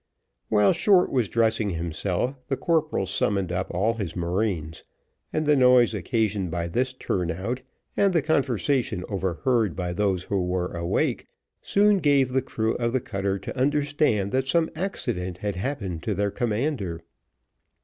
While Short was dressing himself, the corporal summoned up all his marines; and the noise occasioned by this turn out, and the conversation overheard by those who were awake, soon gave the crew of the cutter to understand that some accident had happened to their commander.